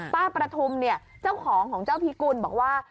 ประทุมเนี่ยเจ้าของของเจ้าพิกุลบอกว่า